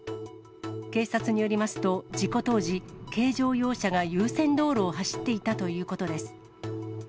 警察によりますと、事故当時、軽乗用車が優先道路を走っていたということです。